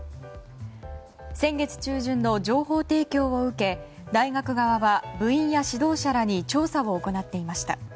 先月中旬の情報提供を受け大学側は部員や指導者らに調査を行っていました。